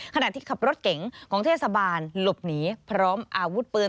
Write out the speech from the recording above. ขณะที่ขับรถเก๋งของเทศบาลหลบหนีพร้อมอาวุธปืน